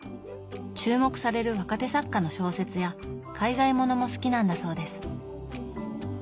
注目される若手作家の小説や海外物も好きなんだそうです。